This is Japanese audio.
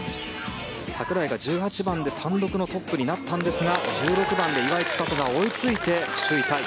櫻井が１８番で単独のトップになったんですが１６番で岩井千怜が追いついて首位タイ。